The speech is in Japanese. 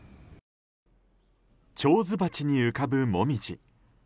手水鉢に浮かぶモミジ。